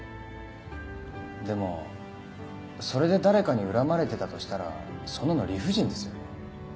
でもそれで誰かに恨まれてたとしたらそんなの理不尽ですよね。